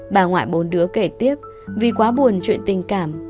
bà ngoại bốn đứa kể tiếp vì quá buồn chuyện tình cảm